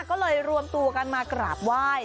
ก็เลยรวมตัวกันมากราบไหว้